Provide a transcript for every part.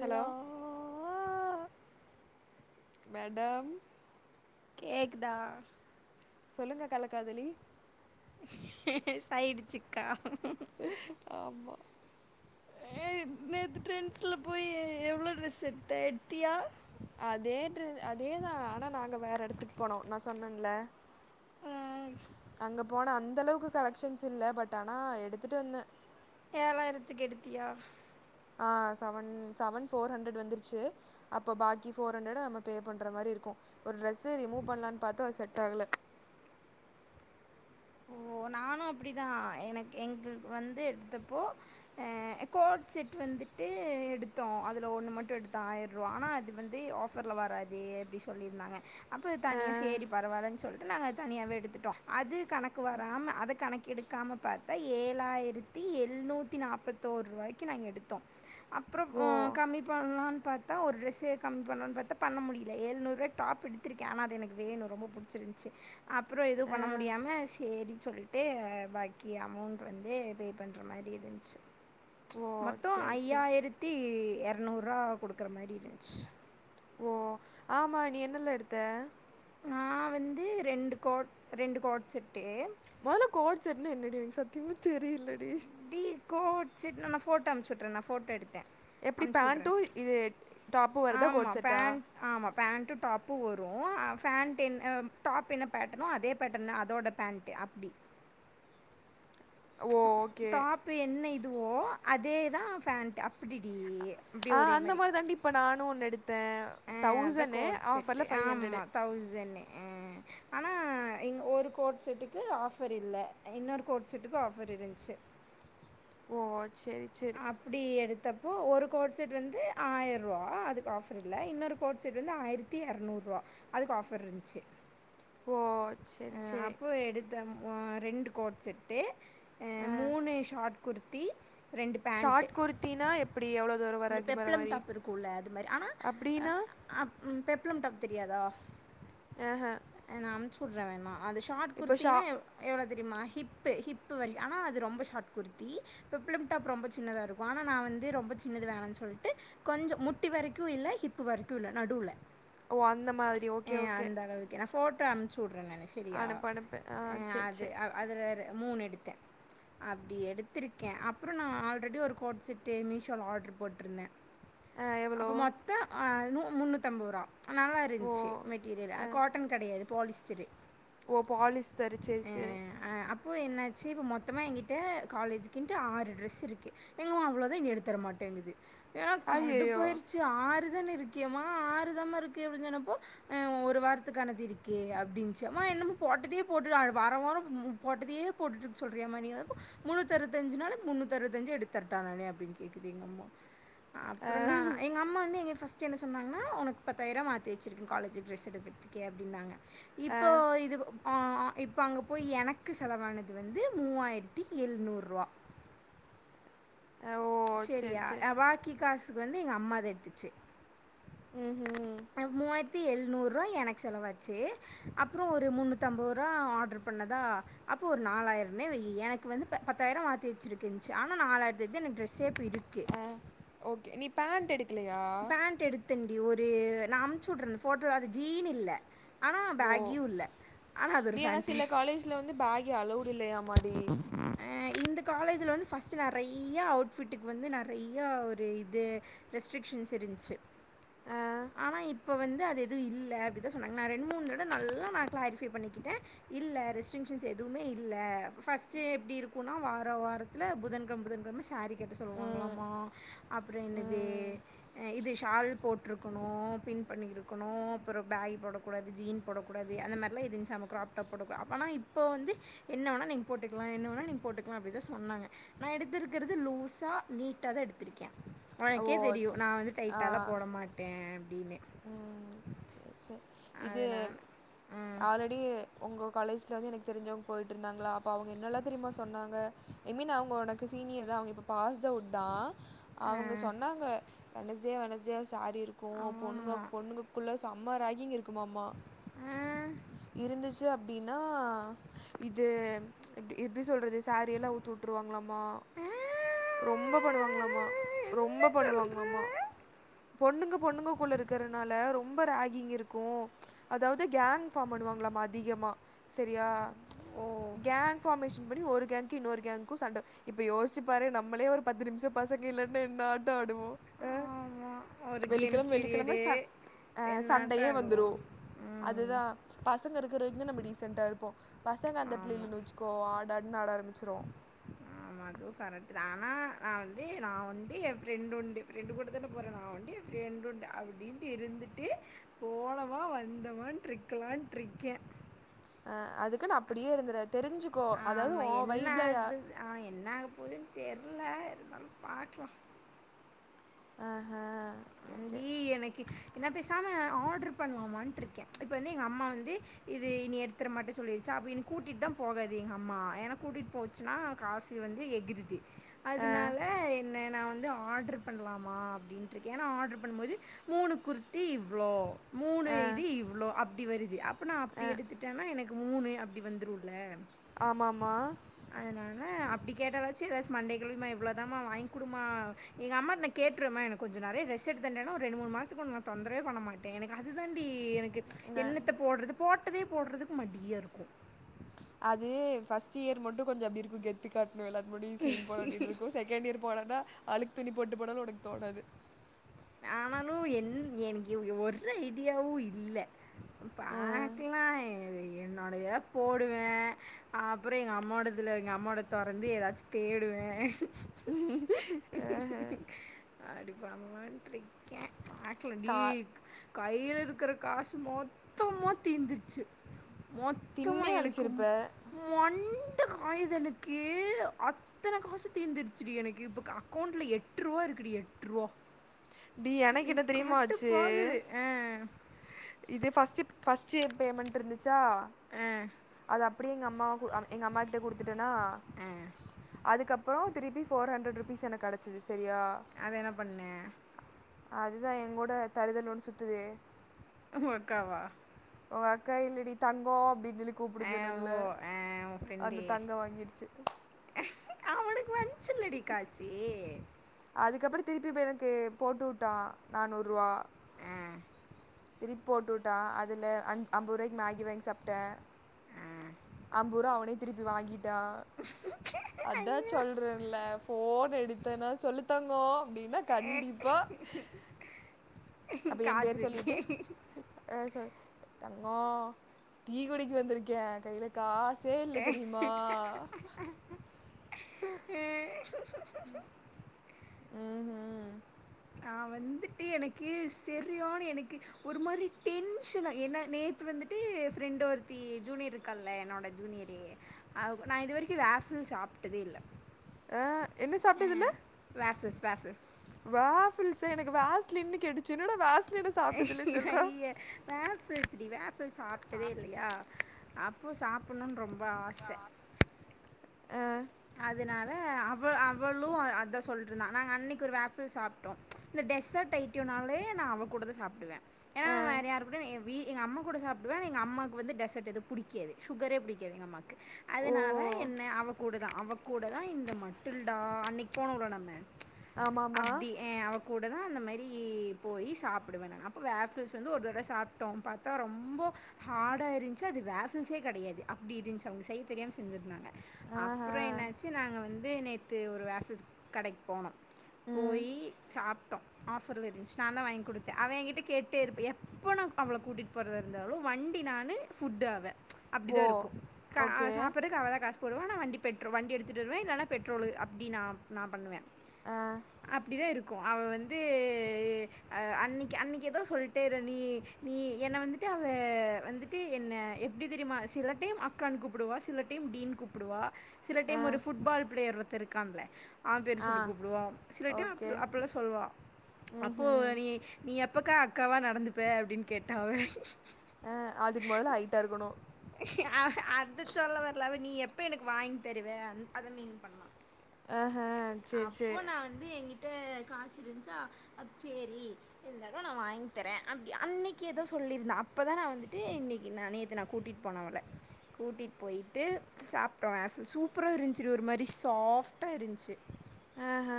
Hello madam கேக்குதா சொல்லுங்க கள்ளக்காதலி சைடு சிக்கா ஆமா ஏய் நேத்து ட்ரெண்டஸுல போயி எவ்ளோ ட்ரெஸ் எடுத்த எடுத்தியா அதே ட்ரு அதேதா ஆனா நாங்க வேற எடத்துக்கு போனோ நா சொன்னன்ல ஆ அங்க போனா அந்த அளவுக்கு கலெக்ஷன்ஸ் இல்ல பட் ஆனா எடுத்துட்டு வந்தே ஏழாயிரத்துக்கெடுத்தியா ஆ சவன் சவன் ஃபோர் ஹண்ட்ரட் வந்துருச்சு அப்ப பாக்கி ஃபோர் ஹண்ட்ரட நம்ம பே பண்ற மாரி இருக்கும் ஒரு டிரெஸ் ரிமு பண்லான் பாத்தா அது செட் ஆகல ஓ நானும் அப்புடிதா எனக்கு எங்குள்க்கு வந்து எடுத்தப்போ அ அ கோட் செட் வந்துட்டு எடுத்தோ அதுல ஒன்னு மட்டும் எடுத்தா ஆயிர் ரூவா ஆனா அது வந்து ஆஃபர்ல வராது அப்டி சொல்லிருந்தாங்க அப்போ ஆ, தனியா செரி பரவால்லன் சொல் ட்டு நாங்க தனியாவே எடுத்துட்டோம் அது கணக் கு வராம அத கணக் எடுக் க்காம பாத்தா ஏழாயிரத்தி எழுநூத்தி நாப்பத்தோரு ரூவாய்க்கி நாங்க எடுத்தோம் அப்புறோம் ஓ கம்மி பண்லான் பாத் தா ஒரு ட்ரெஸே கம்மி பண்ரோன்னு பாத்தா பண்ண முடியில ஏழுநூறுவாக் டாப் எடுத்திருக்கே ஆனா அது எனக்கு வேணு ரொம்போ புடிச்சிருந்த்ச்சு அப்புறோ எதுவும் ஆ, பண்ண முடியாம ஸ் செரின் சொல்லிட்டு பாக்கி அமௌண்ட் வந்து பே பண்ற மாரி இருந்த்ச்சு ஓ மொத்தோ சரி சரி ஐயாயிரத்தி எரநூறுவா குடுக்குற மாரி இருந்த்ச்சி ஓ ஆமா நீ என்னல்ல எடுத்த நான் வந்து ரெண்டு கோட் ரெண்டு கோட் செட்டு மொதல்ல கோட் செட்னா என்னடி எனக்கு சத்தியமா தெரிலடி டீ கோட் செட்ன்னா நான் ஃபோட்டோ அம்ச்சி உட்ரன் நா ஃபோட்டோ எடுத்தே எப்புடி பேண்டும் இது டாப்பு வருதா ஆமா. கோட் செட்டா பேண்ட் ஆமா பேண்ட்டும் டாப்பும் வரும் அ ஃபேண்ட்டு என் அ டாப் என்ன பேட்டர்ன்னோ அதே பேட்டர்ன் னா அதோட பேண்ட் டே அப்புடி ஓ ஓகே டாப் என்ன இதுவோ அதேதா ஃபேண்ட் அ ஆ அந்த மாரி தான்டி இப்ப நானும் ஒன்னு எடுத்தே தௌசண்னு ஆஃப்ர்ல ஃபைவ் ஹண்ட்ரடு தௌசண்ணு ஆ ஆனா இங்க ஒரு கோட் செட்டுக்கு ஆஃபர் இல்ல இன்னொரு கோட் செட்டுக்கு ஆஃபர் இருந்ச்சு ஓ செரி செரி ப்புடி எடுத்தப்போ ஒரு கோட் செட் வந்து ஆயிர்ரூவா அதுக்கு ஆஃபர் இல்ல இன்னொரு கோட் செட் வந்து ஆயிரத் த்தி எரநூறுவா அதுக்கு ஆஃபர் இருந்த்ச்சு ஓ சே ஆ அப்போ எடுத் தம் அ ரெண்டு கோட் செட்டு அ ஆ மூணு ஷார்ட் குர்த்தி ரெண்டு பேண்ட்டு ஷார்ட் குர்த்தினா எப்படி எவ்வளோ தூரம் இந்த வராக்கி வர பெப்ளம் மாதிரி டாப் இருக்குல்ல அது மாரி ஆனா அ அப்படின்னா ஆப் ம் பெப்ளம் டாப் தெரியாதா ஆ ஆ அ நா அம்ச்சு உட்றே வேணா அது ஷார்ட் இப்போ ஷா குர்த்தினா எவ் அ எவ்ளோ தெரியுமா ஹிப்பு ஹிப்பு வரை ஆனா அது ரொம்ப ஷார்ட் குர்த்தி பெப்ளம் டாப் ரொம்ப சின்னதா இருக்கும் ஆனா நா வந்து ரொம்ப சின்னது வேணான் சொல்ட்டு கொஞ்சம் முட்டி வரைக்கும் இல்ல ஹிப்பு வரைக்கும் இல்ல நடுவுல ஓ அந்த மாதிரி ஓகே ஏ ஓகே அந்த அளவுக்கு நா ஃபோட்டோ அம்ச்சு உட்றேன் நானு ஸ் சரியா அனுப்பு அனுப்பு ஆ சரி அது சரி அ அதுல ஒரு மூணு எடுத்தே அப்டி எடுத்துருக்கே அப்புறோ நா ஆல்ரெடி ஒரு கோட் செட்டு மீஷோல ஆட்ரு போட்ருந்தே ஆ எவ்வளோ அப்ப மொத்தோ ஆ நு முன்னூத்தம்பதுரூவா அ நல்லா ஓ இருந்ச்சு மெட்டீரியல் ஆ அது காட்டன் கடையாது பாலிஸ்டரு ஓ பாலிஸ்டரு செரி செரி ஆ அப்போ என்னாச்சு இப்போ மொத்தமா ஏங்கிட்ட காலேஜக்கின்ட்டு ஆறு ட்ரெஸ் இருக்கு எங்கம்மா அவ்ளோதா இனி எடுத்தர மாட்டேங்குது ஏன்னா ஐயோ கடுப்பாயிறுச்சு ஆறுதான இருக்கியமா ஆறுதாமா இருக்கு அப்டின்னு சொன்னப்போ ஒரு வாரத்துக்கு ஆனதிரி கே அப்டீன்னுச்சு அம்மா என்னமா போட்டதையே போட்டு வார வாரம் போட்டதையே போட்டுட்ருக்க சொல்றீயமா நீ எப்போ முன்னூத்து அறுவத்தஞ்சு நாலு முன்னூத்து அறுவத்தஞ்சு எடுத்தரட்டா நானு அப்டீன்னு கேக்குது எங்க அம்மா ஆ அப்புறோ நா எங்க அம்மா வந்து எங்க ஃபஸ்ட் சித்தி என்ன சொன்னாங்கனா உனக்கு பத்தாயிருவ மாத்தி வெச்சிருக்கு காலேஜ் ட்ரெஸ் எடுக்கிறதுக்கே அப்டீனாங்க ஆ இப்போ இது கு அ இப்ப அங்க போய் எனக்கு செலவானது வந்து மூவாயிரத் தி எழுநூறுவா ஆ ஓ சேரி செரியா சேரி ஏ பாக்கி காசுக்கு வந்து எங்க அம்மா தா எடுத்துச்சு ம் ஹு அ மூவாயிரத்தி எழுநூறுவா எனக்கு செலவாச்சி அப்புறோ ஒரு முன்னூத்தம்பதுருவா ஆட்ரு பண்ணதா அப்போ ஒரு நாலாயிரம்னே வெய்யி எனக்கு வந்து ப பத்தாயிரோ மாத்தி வெச்சுருக்குனுச்சு ஆனா நாலாயிரத்துக்கு எனக்கு டிரெஸே இப்ப இருக்கு ஓகே நீ பேண்ட் எடுக்கலையா பேண்ட் எடுத்தன்டி ஒரு நா அம்ச்சி வுட்றே ஃபோட்டோல அது ஜீன் இல்ல ஆனா ஓ பேகியு இல்ல ஆனா அது ஒரு ஃபேண்ட்டு இதுல வந்து பேகி அளவௌடு இல்லையாமாடி அ இந்த காலேஜுல வந்து ஃபர்ஸ்ட்டு நறையா அவுட்ஃபிட்டுக்கு வந்து நறையா ஒரு இது ரெஸ்ட்ரிக்க்ஷன்ஸ் இருந்துச்சு ஆ ஆனா இப்போ வந்து அது எதுவு இல்ல அப்டிதா சொன்னாங்க நா ரெண்டு மூணு தட நல்லா நா க்ளாரிஃபை பண்ணிக்கிட்டே இல்ல ரெஸ்ட்ரிங்க்ஷன்ஸ் எதுவுமே இல்ல பஸ்ட் பஸ்ட்டு எப்டி இருக்குன்னா வார வாரத்துல புதன்கெழம புதன்கெழம சாரீ கட்ட ம் சொல்லுவாங்களாமா அப்புறோ என்னது ம் இது ஷால் போட்ருக்கணோ பின் பண்ணி இருக்கணோ அப்புறோ பேகி போடக் கூடாது ஜீன் போடக்கூடாது அந்த மாரிலா இருன்ச்சு நம்ம கிராப் டாப் போடக்கூடா ஆனா இப்ப வந்து என்ன வேணா நீங் போட்டுக்கலா என்ன வேணா நீங்க போட்டுக்கலா அப்புடிதா சொன்னாங்க நா எடுத்ருக்கறது லூஸா நீட்டாதா எடுத்திருக்கே ஓ உனக்கே தெரியு நா வந்து டைட்டாலா ஆ போட மாட்டே அப்டீன்னு ம் செர் செரி இது அதனால ம், ஆல் லெடி உங்க காலேஜுல வந்து எனக்கு தெரிஞ்சவங்க போய்ட்ருந்தாங்களா அப்போ அவுங்க என்னெல்லா தெரியுமா சொன்னாங்க அய் மீன் அவுங்க உனக்கு சீனியர்தா அவுங்க இப்ப பாஸ்ட் அவுட்தா ஆ, அவுங்க சொன்னாங்க Wednesday Wednesday sari இருக்கோ பொண்ணுங்க ஆமா பொண்ணுங்கக்குள்ள சம்ம ராகிங் இருக்குமாம்மா ஆ இருந்துச்சு அப்டீன்னா இது எப்டி எப்டி சொல்றது சாரி எல்லா அவுத்துவுட்டுருவாங்களாமா ஆ, ரொம்ப பண்ணுவாங்ளாமா என்ன ரொம்ப சொல்ற பண்ணுவாங்ளாமா பொண்ணுங்க பொண்ணுங்ககுள்ள இருக்கிறனால ரொம்ப ராகிங் இருக்கும் அதாவது கேங் இன்ஃபாம் பண்ணுவாங்களாமா அதிகமா செரியா ஓ கேங் ஃபாமேஷன் படி ஒரு கேங்க்கு இன்னோரு கேங் கு சண்ட இப்ப யோசிச்சு பாரு நம்மளே ஒரு பத்து நிம்ஷோ பசங்க இல்லன்னா என்ன ஆட்டோ ஆடுவோ ஆமா ஒரு கேம்ஸ் வெள்ளிக்கெழம வெள்ளிக்கெழம பீரியடு ச அ என்னாட்டம் சண்டையே வந்துரு ஆடுவோம் ம் அதுதா பசங்க இருக்குறவரக்குந்தா நம்ப டீசண்டா இருப்போ பசங்க அந்தெடலத்ல ஆமாம் இல்லன்னு வெச்சுக்கோ ஆடாடுனு ஆரம்பிச்சிருவோ ஆமா அது கரட்டுதா ஆனா நா வந்து நா உண்டு ஏ ஃப்ரெண்டுண்டு ஃப்ரெண்டு கூடத்தான போறே நா உண்டு ஃப்ரெண்டுண்டு அப்டீன்ட்டு இருந்துட்டு போனமா வந்தமான்னுட்ரிக்கலான்ட்ருக்கே அ அதுக்கு நா அப்புடியே இருந்துறாத தெரிஞ்சுக்கோ அதாவது ஊ ஆமாம் என்ன வைப்ல யா ஆகுது ஆ என்னாக போதுன் தெர்ல இருந்தாலு பாக்லா ஆ ஹா அம்மாடி எனக்கு என்ன பேசாம ஆட்ரு பண்லாமான்ட்ருக்கே இப்ப வந்து எங்க அம்மா வந்து இது இனி எடுத்தர மாட்டே சொல்லிருச்சா அப்ப இனி கூட்டிட்தா போகாது எங்க அம்மா ஏனா கூட்டிட் போச் ச்சுனா காசு வந்து எகுருது ஆ அதுனால என்ன நா வந்து ஆட்ரு பண்லாமா அப்டின்ட்ருக் ஏனா ஆட்ரு பண்ணுமோது மூணு குர்த்தி இவ்ளோ மூணு ஆ இது இவ்ளோ அப்டி வருது அப் அப்ப நா ஆ அப்டி எடுத்துட்டேனா எனக்கு மூணு அப்டி வந்துருல ஆமாம்மா அதனால அப்டி கேட்டாலாச்சு ஏதாச்சு மண்டய கழுவி ம்மா இவ்ளோதாமா வாங்குடுமா எங்க அம்மாட் நா கேட்ருவ ம்மா எனக் கொஞ்சொ நறைய டிரஸ் எடுத் தண்டனா ஒரு ரெண்டு மூணு மாசத்துக்கு ஒன்ன நா தொந்தரவே பண்ண மாட்டே எனக்கு அது தான்டீ எனக் ஆ என்னத்த போட்றது போட்டதே போட்றதுக்கு மடீயாருக்கு அது ஃபஸ்டியர் மட்டு கொஞ்சொ அப்டி இருக்கு கெத்து காட்ணு எல்லாத் முன்னடியு சீன் போட வேண்டியத் இருக்கு செ கேண்டிர் போனாதா அழுக்கு துணி போட்டு போனாலு ஒனக்கு தோணாது ஆனாலு என் எனக்கு ஒரு ஐடியாவு இல்ல ஆ பாக்லா என்னோட ஏவ போடுவே அப் அப்றொ எங்க அம்மாடதுல எங்க அம்மோடத் தொறந்து எதாச்சு தேடுவ அப்டி பண்லான்ட்ருக்க பாக் ப்பாடி கா கைல இருக்கற காசு மொத்தமா தீந்துர்ச்சு மொத்தமா தின்னே எனக்கு மு அழிச்சிருப்ப மண்ட காயுது எனக்கு அத் அத்தன காசு தீந்துடுச்சுடி எனக்கு இப்போ க அக்கோண்ட்ல எட்ருவா இருக்குடி எட்ருவா டி எனக் என்ன தெரியுமா ஆச்சு கடுப்பாகுது ஆ இது ஃபஸ்ட்டு ஃபஸ்ட்டியர் பேமண்ட்ருந்துச்சா ஆ அத அப்டியே எங்க அம்மாகு அ எங்க அம்மா கிட்ட குடுத்துட்டனா அதுக்கப்பறோ திருப்பி ஃபோர் ஹண்ரட் ருபீஸ் எனக்கு கெடைச்சிது செரியா அத என்ன பண்ண அதுதா எங்கூட தறுதல ஒன்னு சுத்துதே உங்க அக்காவா ஒ அக்கா இல்லடி தங்கோ அப்டிஞ்சொல்லி ஆ கூப்புடுஞ்சொன்னல்ல ஓ ஆ அந்த தங்கம் வாங்கிடிச்சு அவனுக் வன்ச்சுல்டி காசி அதுக்கப்பற திருப்பி பேய் என்னன் கே போட்டு வுட்டா நானூர் ருவா அ திருப்பி போட்டுவுட்டா அதுல அஞ் ஐம்பது ரூவாய்க் மேகி வாங்கி சாப்ட்ட ஆ அம்பதுரூவா அவனே திருப்பி வாங்கி டா அதா ஐயோ சொல்றல்ல ஃபோன் எடுத் த்தனா சொல்லு தங்கோ அப்டினா கண்டிப்பா அப்ப ஏம்பேரு காசுக்கு சொல்லிட்டு ஆ சொ தங்கோ டீ குடிக்க வந்திருக்கே கைல காசே இல்ல தெரியிமா ஏ ம் ஹூ நா வந்துட்டு எனக்கு செரியான எனக்கு ஒரு மாதிரி டென்ஷனா ஏன்னா நேத்து வந்துட் ட்டு ஃப்ரெண்டு ஒருத்தி ஜூனியர் இருக்கால்ல என்னோட ஜூனியரு நா இது வரிக்கு வேஃபல் சாப்ட்டதே இல்ல அ என்ன சாப்ட்டது இல்ல வேஃபல்ஸ் வேஃபல்ஸ் வாஃபில் சா எனக்கு வேஸ்லின்னு கேட்டுச்சு என்னடா வேஸ்லின்ன சாப்ட்டதுல்லனு சொல்றா வேஃபல்ஸ் டி வேஃப்ல்ஸ் சாப்ட்டதே இல்லயா அப்போ சாப்பணுனு ரொம்ப ஆச அ அதனால அவ அவளு அதான் சொல்லிருந்தான் நாங்க அன்னைக்கு ஒரு வேஃபல்ஸ் சாப் ட்டோ இந்த டெசட் ஐட்டியுனாலே நா அவ கூடதா சாப்டுவ ஏன்னா ஆ வேற யாரு கூட வீ எங்க அம்மா கூட சாப்டுவ எங்க அம்மாக்கு வந்து டெசட் எதும் புடிக்காது சுகரே புடிக்காது எங்க அம்மாக்கு ஓ அதனால என்ன அவகூட தா அவ கூட தா இந்த மட்டுல்டா அன்னைக்கு போனோல்ல நம்ம ஆமாம்மா அப்டி அவ கூட தா அந்தமேரி போய் சாப்புடுவ அப்ப வேஃப்பல்ஸ் வந்து ஒரு தடவ சாப்ட்டோ பாத்தா ரொம்போ ஹாடா இருன்ச்சு அது வேஃப்பல்ஸே கெடையாது அப்டி இருந்துச்சு அவுங்க செய் தெரியாம செஞ்சிருந்தாங்க ஆஹா அப்புற என்னாச்சு நாங்க வந்து நேத்து ஒரு வேஃப்பல்ஸ் கடைக்கு போனோ ம் போயி சாப்ட்டோ ஆஃபர் ல இருந்துச்சு நா தா வாங்கி குடுத்த அவ எனங்க்கிட்ட கேட்டே இருப்பி எப்ப நா அவள கூட்டிட்டு போற இருந்தாலும் வண்டி நானு ஃபுட்டு அவ ஓ அப்டிதா இருக்கு கா ஓகே சாப்பற்துக்கு அவதா காசுபோடுவா ஆனா வண்டி பெட்ரோ வண்டி எடுத்துட்டு வருவ இல்லன்னா பெட்ரோல்லு அப்டி நா நா பண்ணுவ ஆ அப்டிதா இருக்கு அவ வந்து அ அன்னிக்கு அன்னிக்கு ஏதோ சொல்ட்டே நீ நீ என்ன வந்துட்டு அவ வந்துட்டு என்ன எப்டி தெரிமா சில டைம் அக்கான்னு கூப்டுவா சில டைம் டீ னு கூப்டுவா ஆ ஒருத்த இருக்காங்கலே ஆ பேர் சொல்லி கூப்டுவ சில டம் ஓகே அ அப்புல்லா சொல்லுவ அப்போ ம் நீ நீ எப்பக்கா அக்காவா நடந்துப்ப அப்டின்னு கேட்டா அவ ஆ அதுக்கு மொதல்ல ஹைட்டா இருக்கணு அது சொல்லவர்ல அவ நீ எப்ப எனக்கு வாங்கி தருவ அத மீன் பண்ணா ஆஹா சேர் அப்போ சேர் நான் வந்து எங் கி கிட்ட காசு இருன்ச்சா அப்ப சேரி இருந்தாலும் நா வாங்கித்தரே அப்டி அன்னிக்கு ஏதோ சொல்லிருந்தே அப்பதா நா வந்துட்டு இன்னிக்கு நா நேத்த நா கூட்டிட் போனோம் அவல கூட்டிட் போயிட்டு சாப்ட்டோ ஆஸ் சூப்பரா இருன்ச்சிரி ஒரு மாரி சாஃப்ட்டா இருன்ச்சி ஆஹ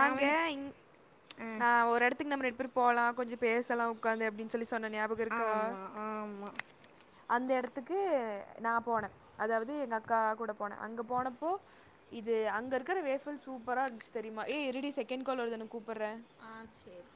நான் வந்துட்டு இங் ஆ நா ஒரு எடத்துக்கு நம்ம ரெண்டு பேரு போலா கொஞ்ச பேசுலா உட்காந்து அப்டின் சொல்லி சொன்ன ஞாயாப ஆம்மா ஆம்மா அந்த எடத்துக்கு நா போனே அதாவது எங்க அக்கா கூட போனே அங்க போனப்போ இது அங்கருக்குற வேஃபல் சூப்பரா இருந்துச்சு தெரியுமா ஏ இருடி செகண்ட் கால் வருது நா கூப்பற்றே ஆ சேர்